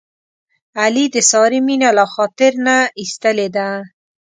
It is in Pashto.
علي د سارې مینه له خاطر نه ایستلې ده.